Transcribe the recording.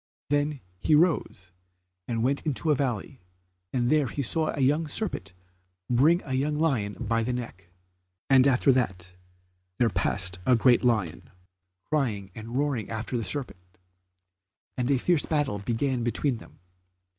Then he rose and went into a valley, and there he saw a young serpent bring a young lion by the neck, and after that there passed a great lion, crying and roaring after the serpent, and a fierce battle began between them.